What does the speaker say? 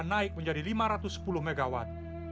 naik menjadi lima ratus sepuluh mw